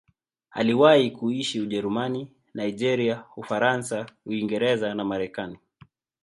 Aliwahi kuishi Ujerumani, Nigeria, Ufaransa, Uingereza na Marekani.